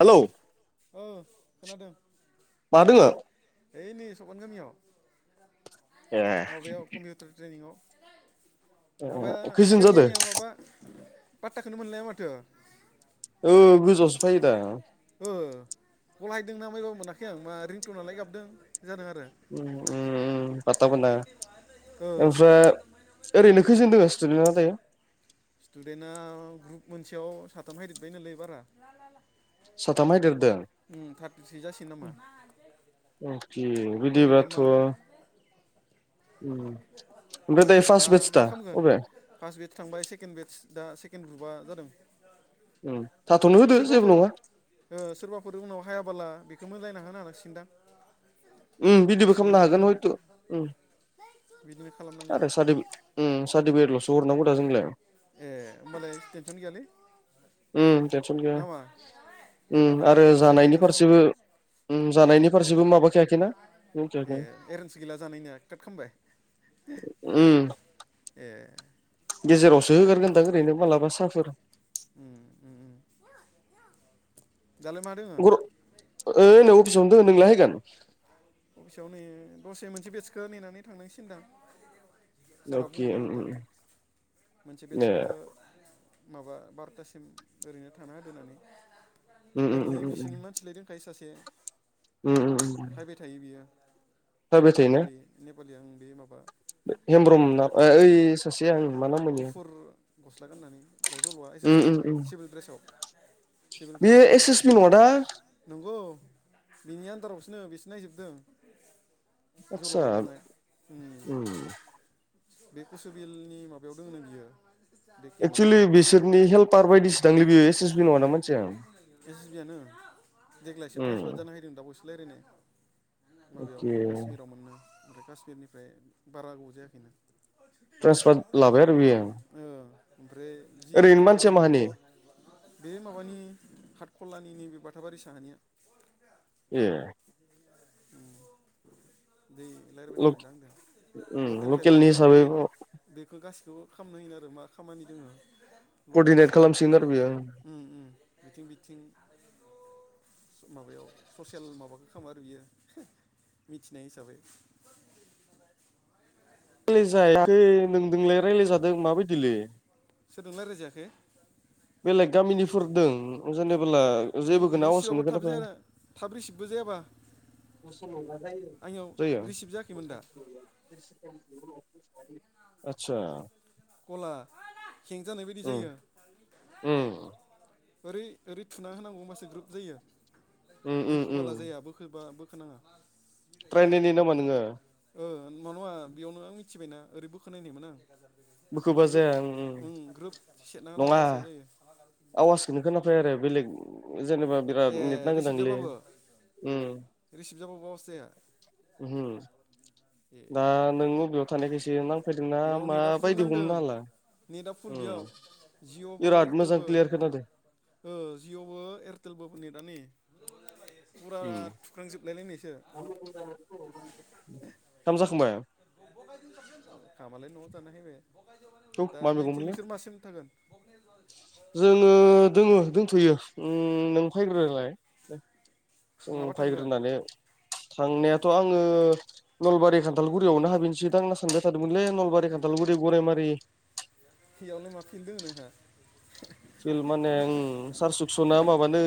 Hello. औ खोनादों मा दोङो ओइ नै सपान गामियाव ए माबायाव कम्पिउटार ट्रेनिंआव माबाया खैजोन जादो केरियानिया माबा पात्टाखौनो मोनलाया माथो औ गोजोआवसो फैयो दा ओ गलायदों ना मायबाबो मोनाखै आं मा रिंटनालाय गाबदों जादों आरो उम-उम-उम पाथा मोना ओ आमफ्रा ओरनो खैजोन दङ सिन्टुदेन्टआ द स्टुडेन्टआ ग्रुप मोनसेयाव साथाम फायदेरबाय नलै बारा साथाम हायदेरदों उम थारटि थ्रि जासिगोन नामा? अखे ओरैनो बिदिबाथ' मा ओमफ्राय दायो [unintelligible] फार्स्ट मा बेटस मा दा खालामगोन अबे फार्स्ट बेटस थांबाय सेकेण्ड बेटस दा सेकेण्ड ग्रुपआ जादों थाथ'नो होदो जेबो सोरबाफोर नङा सोरबाफोर उनाव हायाबाला बेखौ मोनलायना ह होनो हाांसिगोनदां? उम बिदिबो खालामनो हागोन हयथ' बिदिनो खालामनांगोन सारट सार्टिफिेट' हरनांगौ दा जोंलाय ए होनोमबालाय स्टेन्स'नो गैयालै उम टेनसन गैया नामा जेनेबा उम बेयाव आरो इसोर जानायनि एडजास्ट खालामो फारसेबो उम जानायनि फारसेबो माबाखायाखैना ए मिथियाखै एरेन्ज गैला जानायनिया काट खालामबाय उम एह गेजेरावसो होगारगोनदां ओरैनो मालाबा साहाफोर उम उम दालाय मा दोङो गर ओइनै अफिसावनो दं नोंलाय हायगोन? अफिसाव नै दसे मोनसे बेटसखौ नेनानै थांनांसिगोनदां सारा अके बुंहरनाय उम माथो उम मोनसे ए बेटसखो माबा बार'थासिम ओरैनो थाना होदो होननानै उम उम उम ओरैनो बिसोरनि मा मिथिलायदोंखाय सासे उम-उम-उम फायबाय थायो बियो नेपालि नेपालि आं बे माबा [unintelligible] हेमब्रुम नाम ओइ ससें मान मुफुर गस्ला गाननानै ओमफ्राय जल'आ एस उम एस बि उम उम सिभिल ड्रेसाव सिभिल बेयो ड्रेसाव एस थायोना। एस बि नङा दा नंगौ बिनि आन्दारावसोननो बेसो नायजोबदों। आदसा जलबा बांआय उम बे कुस बिलनि माबायाव दङ न बियो। बे केमाव एक्सुलि बिसोरनि हेल्पार बायदिसो दांलै बेयो एस एस बि नङा ना मानसिया उम बे जिबियानो देग्लायसो ट्रेनसफार्ट जाना फैदों दा बावैसो रायजलायनाय माबायाव अके काश्मिराव मोननो ओमफ्राय काश्मिरनिफ्राय बारा गोबाव जायाखैनो ट्रेन्सफार लाबाय आरो बेयो ओ ओम्फ्राय जि ओरैनो खामानि मानसिया माहानि मावनांगौ बे माबानि हाटखलानि नैबे बाथाबारि साहानिया एह उम बै रायज्लायबाय थानायदों आंजों लकेलखाय लकेलनि बियो बि हिसाबै बेखौ गासिखौबो खालामनो होयोनोआरो मा खामानि दोङो लकेल कर्डिनेट हिसाबै खालामसिगोन आरो बेयो उम उम बिथिं बिथिं माबायाव ससियेल माबाखौ खालामो आरो बियो मिथिनाय हिसाबै ख्लै जायाखै नोंदोंलाय रायज्लायजादों माबायदिलै सोरजों रायज्लाय जायाखै बेलेग गामिनिफोरदों जेनेबोला जेबोखौनो आवाज रिसिभाबो खौनो थाब जाया खोनाफैयाखै थाब रिसिबबो जायाबा आंनियाव रिसिभ जायाखैमोन दा जायो आदसा कला हें जानाय बायदि उम जायो उम ओरै ओरै थुना होनांगौ होमब्लासो ग्रोब जायो उम उम उम बोखोबाला जाया बोखोबा बोखोनाङा ट्राय नायनाय नामा नोङो ओ नङा नङा बेयावनो मिथिबायना ओरै बोखो नायनायमोन आं ओमफ्राय ग्रोब उम ग्रोब सेरना होनांगौ नङा होमबासो जायो आवाजखौनो खोनाफाया रे बेलेग जेनेबा ए बिराद नेट रिसिभ नांगोनदांलै जाबाबो उम रिसिभ जाबाबो आवाज जाया ओहोम ए दा नों अबेयाव थानायखायसो नां बेयाव नेटा फुल नांदों नेटआ फुल उम बेयाव जिअ'बो बिराद मोजां एयारटेलबो क्लियार खोनादो। ओ जिअ'बो एयारटेलबोबो नेटा नै फुरा थुख्रांजोबलाय लायनायसो [inaudible] ओंखाम जाखांबाय? ओंखामालाय न'आव जाना फैबाय। थौ दा मा नायनोसै मैगंमोनलाय नोंसोर मासिम थागोन? जोङो दङ दंथयो नों फैग्रोलाय जों माबा थांगोन फैग्रोनानै थांनायाथ' आङो नलबारि खान्थालगुरियावनो हाबहैनोसै दां सानबाय थादोंमोनलै नलबारि खान्थालगुरि गराइमारि बेयावलाय माथो दं नोंहा फिल माने सार सुकसना माबानो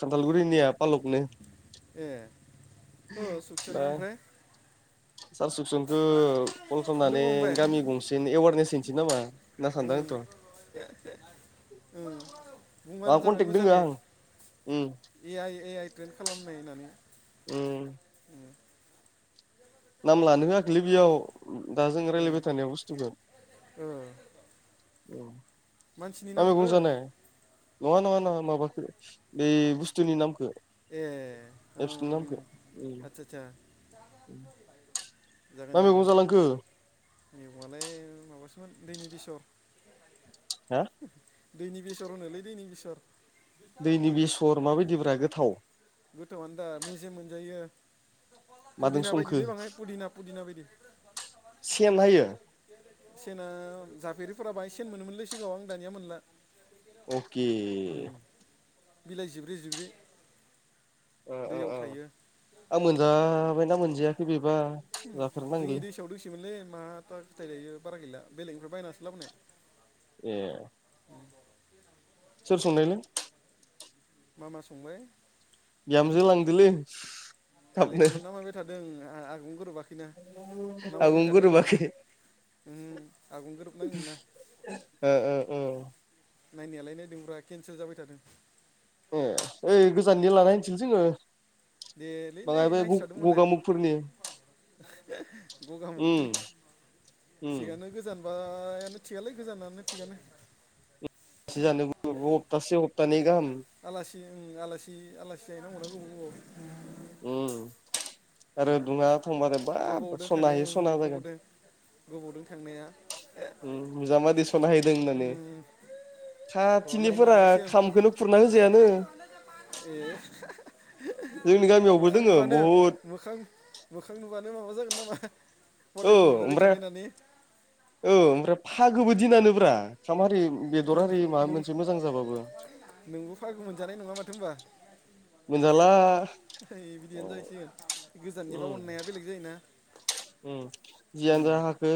खान्थालगुरिनिया आलकनो ए ओ सुखसनो दा ओमफ्राय सार सुखसुन खो कल खालामनानै लोगो हमबाय गामि गंसेनि एवारनेस हैनोसै नामा होनना सान्दों ओम आंथ ओम आंहा बुंबानो जाबाय कन्टेक्ट दोङो मोजाङै आं उम ए आइ ए आइ ट्रेन खालामनाय होननानै उम ओम नाम लानो होआखैलै बेयाव दाजों ओं रायज्लायबाय थानायाव बुस्थुखौ ओ उम मानसिनि मा नामखौ मैगं जानाय नङा नङा नङा माबाखो बे बुस्थुनि नामखो ए एफ्सनि ओं नामखौ आदसा आदसा जागोन मा मैगं जागोन जालांखो मेगंआलाय माबासोमोन दैनि बेसर हा दैनि बेसर होनोलै दैनि बेसर दैनि बेसर माबायदिब्रा गोथाव गोथाव आनो दा मेजेम मोनजायो। मादों पुदिना संखो बायदिलै बाङाय पुदिना पुदिना बायदि सेन हायो सेना जाफेरिफोरा बाहाय सेन मोनोमोनलै सिगाङाव आं दानिया मोनला अके उम बिलाइ जिब्रै जिब्रै ओ ओ दैयाव ओ थायो। आं मोनजाबायना मोनजायाखै बेबा जोंनि जाफेरनांगोनलै दैसायाव दोंसोमोनलै माथा फिथाय लायो बारा गैला बेलेगनिफ्राय बायनासो लाबोनाय ए सोर संनायलै मा मा संनाय बिहामजो लांदोलै थाबनो लेखौनो नामायबाय थादों आगावनो गोरोबाखैना नामायबाय आबुं थादों र' गोरोबाखै उम आगुं गोरोबनांगोन ना ओ ओ नायनायालाय नायदोंब्रा केन्सेल जाबाय थादों ए ओइ गोजाननिया लानाय होनसैलै जोङो देलै ने बाङाय बे नायस्रादो होनबालाय गगामुगफोरनि ग'गा मुगनि उम उम थिगानो गोजान बायानो थिगालै गोजानानो थिगानो थि जानो हप्तासे हपथानै गाहाम आलासि ओं आलासि आलासि जाहै नांगौना गोबाव गोबाव उम आरो दुङा बुंबाथाय गोबाव बाब गोबावदों थांनाय स'नाहै ओं स'ना बायगोन गोबावदों गोबावदों थांनाया उम नोंजामादै सनाहैदों होननानै उम र' लाइन साथिनिफोरा लानांसिगोन खामखोनो खुरना होजायानो। ए जोंनि गामियावबो मोखां दोङो नुबानो बहुद मोखां खां नुबानो माबा जागोन नामा? औ हदायबो नुलायबाय ओमफ्राय थानाय होननानै औ ओमफ्राय फागोबो दिनानोब्रा खामारि बेदर हारि माबा नों मोनसे मोजां जाबाबो नोंबो फायग' मोनजानाय नङा माथो होनबा। मोनजाला उम [inaudible] उम जियानो उम जा हाखो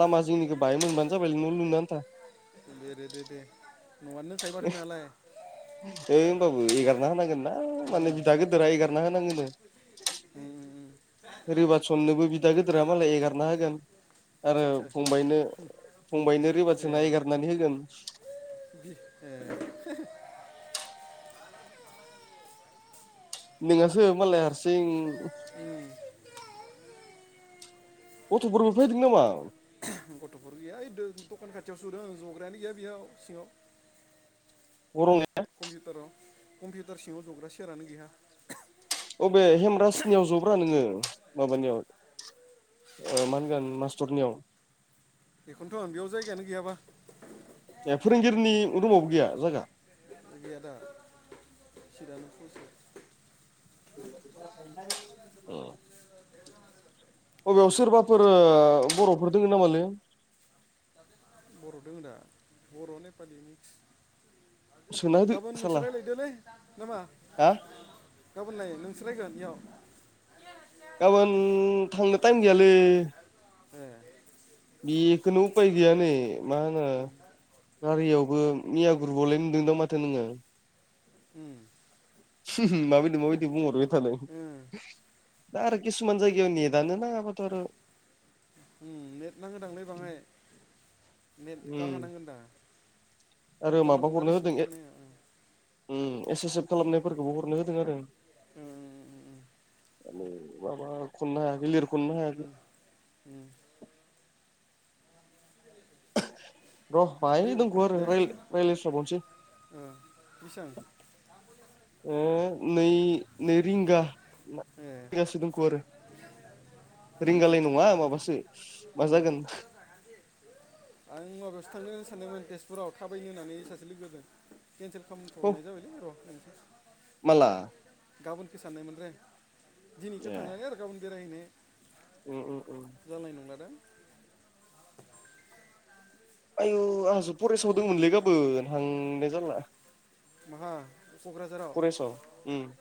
लामा जिंनिखौ बाहाय मोनबानो जाबायलै न' लुनो आनथा। दे दे दे न'आनो दंखायो माथो नोंहालाय [unintelligible] ओ होमबाबो एंगारना होनांगोन ना उम माने बिदा गोद गोदोरा एगारना होनांगोनो। उम उम उम रिबातसननोबो बिदा गिदोरा मालाय एगारना होगोन। आरो आदसा आदसा फंबायनो फंबायनो ए रिबातसना एगारनानै होगोन। [unintelligible] नोंहासो मालाय हारसिं [unintelligible] गथ'फोरबो फायदों नामा गथ'फोर गैया ओइ दखान खाथियावसो जदों आं जग्रायानो गैया बेयाव सिङाव गरम कम्पिउटाराव कम्पिउटार सिङाव ज'ग्रा सियारानो गैया अबे हेमरासनियाव ज'ब्रा नोङो माबानियाव ओ मा होनगोन मास्टरनियाव बेखौनथ'न बेयाव जायगायानो गैयाबा। ए फोरोंगिरिनि रुमावबो गैया जायगा? [inaudible] गैया दा चिदानो फुलसो। [unintelligible] बबेयाव सोरबाफोर ओ बर'फोर दङ नामालै? बर' दोङोदा? बर', नेपालि मिक्स। सोना होदो गाबोन नोंसोर साला रालायहैदोलै ना मा? हा गाबोनलाय नोंसोर रायगोन एवाव गाबोन थांनो टाइम गैयालै। ए। बेखोनो उफाय गैया नै मा होनो गारियावबो मिया ग्रुबावलाय नुदों दा माथो नोङो। ओम। [unintelligible] माबायदि माबायदि बुंहरबाय थानाय? उम दा आरो किसुमान जायगायाव नेदानो नांआबाथ' आरो ओम नेट नांङोदांलै बाङाय। नेट [unintelligible] उम नांगोन दा आरो जानला मोनला रिसिभबो जानो नागेरा। ओं एसे सेफ खालामनायफोरखौबो हरनो होदों आरो। ओं ओं ओं [unintelligible] माबा खननो हायाखै लिर उम उम। [inaudible] र' बाहाय रि- [unintelligible] दे राय-रायलायस्राबावसै। ओ बेसां? [inaudible] ओ नै नै रिंगा। ओ रिंगासो दंखौ आरो [inaudible] रिंगालाय नङा माबासो मा उम जागोन? [unintelligible] आं माबायावसो थांनो सानदोंमोन तेजपुराव थाबायनो होननानै सासे लोगोजों। केन्सेल ह खालामथ'नाय जाबायलै र' नायसै [unintelligible] गाबोनखौ साननायमोन रे दिनैखो थांनानै आरो गाबोन बेरायहैनाय। ओ ओ ओम। जानाय नंलादां? आयु आंसो फरेस्टआव दंमोनलै गाबोन हांनाय जाला। माहा? क'क्राझाराव। फरेसाव उम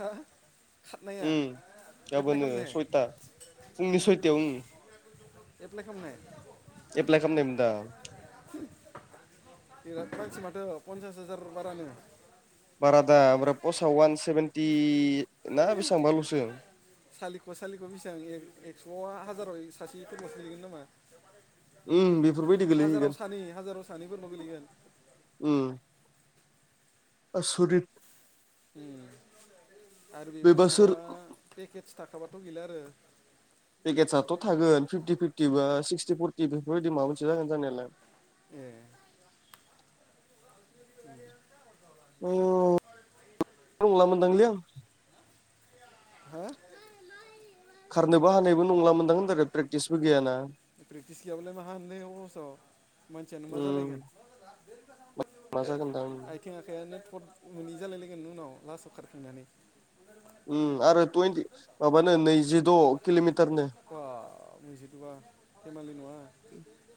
हो? उम गाबोनो खालामनाय सयथा फुंनि सयथायाव उम एप्लाइ खालामनाय? एप्लाइ खालामनायमोन दा? [inaudible] बिराद मानसि माथो पन्सास हाजार बारानो। बारादा ओमफ्राय पस्ट इ वान सेभेेनटि ना बेसेबांबाल'सो सालिख' सालिख' बेसेबां एक-एक्स' हाजाराव सासे फोरल'सो गोलैगोन नामा? उम बेफोरबायदि गोलैहैगोन हाजाराव सानै हाजाराव सानैफोरनाव गोलैगोन। उम आसरित उम आरो बे बेबो माबा बोसोर पेकेटस थाखाबाथ' गैला आरो पेकेटसआथ' थागोन फिफ्टि फिफ्टि बा सिक्सटि फरटि बेफोरबायदि माबा मोनसे जागोन जानायालाय। ए [unintelligible] [unintelligible] हो? खारनोबो हानायबो नंला मोनदां होनदों रे आरो प्रेक्टिसबो गैयाना प्रेकटिस गैयाबालाय माहा होनलै दस मानसियानो मा उम जालायगोन। मा जागोन दा उम आथिं आखायानो थद मोनै जालाय लायगोन उनाव लास्टाव खारखांनानै। उम आरो टुइन्टि माबानो नैजिद' कल'मिटारनो। बा नैजिद'बा धेमालि नङा।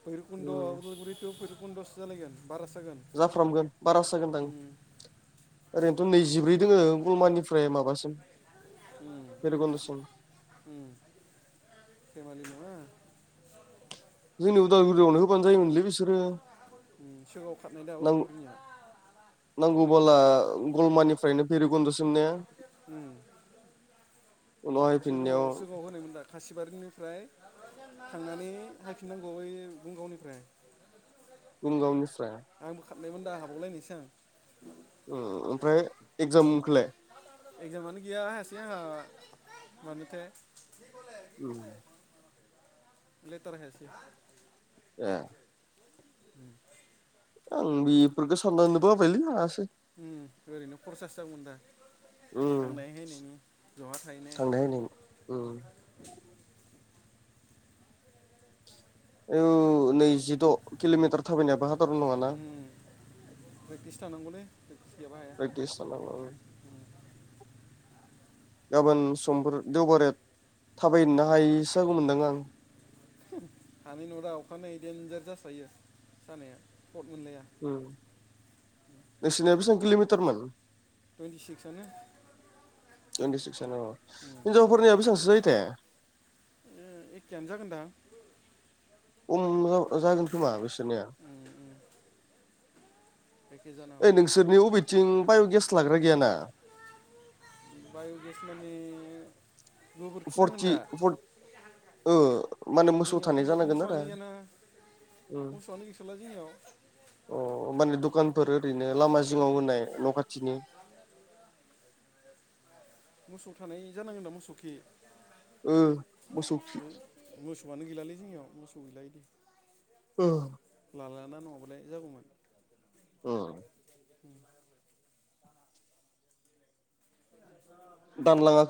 भैरबकुन्द' उम उदालगुरि थु भैरबकुन्द'सो जालायगोन बारासो जागोन। जाफ्रामगोन बारासो जागोनदां। उम ओरैनोथ' नैजिब्रै दोङो गलमानिफ्राय माबासिम। उम भेरगन्दसिम उम धेमलि नङा। जोंनि उदालगुरियावनो होबानो जायोमोनलै बिसोरो उम सिगाङाव खारना‌दा आगोल उदालगुरिनिया नांगौबोला गलमानिफ्रायनो भैरबकुन्दसिम उम उनाव हायफिननायाव सिगाङाव सिगाङाव होनायमोन दा? खासिबारिनिफ्राय थांनानै फायफिननांगौ यै भुम गावनिफ्राय भुम गावनिफ्राय आंबो खारनायमोन दा हाबावलायनायसो आं उम ओमफ्राय एक्जामखौलाय? एक्जामानो गैया हायासै आंहा मानोथाय लेटार हायासै ए [inaudible] आं बेफोरखौ साननानै बोबायलै हायासै। उम ओरैनो खरसासो जागौमोन दा थांनाय थांनाय-हैैनायनि बहा थाहैनो‌ उम औ नैजिद' किल'मिटार थाबायनायाबो हादारन नङाना। इसि थानांगौलै खिथियावबो हाया। प्रेक्टिस थानांगौ [inaudible] गाबोन समफोर देवबारे थाबायनोनो हायैसो जागौमोनदां आं हानाय नुवा दा अखानायै देन्जार जास्रायो सानाया पट मोनलाया नोंसिनिया बेसेबां किल'मिटारमोन टुइन्टि सिक्सआनो टुइन्टिसिक्सानो औ उम हिनजावफोरनिया बेसेबांसो जायो थाय ओम एकेयानो जागोनदां खम जागोन खोमा बिसोरनिया उम उम एखे जानो ओइ नोंसोरनि अबेथिं बाय'गेस लाग्रा गैयाना? बाय' गेस माने गोबोरखिनांगोन फर्टि दा फर्ट ओ माने मोसौ जोंनियावबो थानाय बो जानांगोन आरो मोसौआनो गैयाना। उम मोसौआनो गैथारला जोंनिआव। अ माने द'खानफोर ओरैनो लामा जिङाव होनाय न' खाथिनि मोसौ थानाय जानांगोन ना मोसौखि ओ मोसौ खि मोसौआनो गैलालै जोंनियाव मोसौ गैला इदि। ओम लाला नङाबालाय जागौमोन ओम [unintelligible] [unintelligible] दानलाङा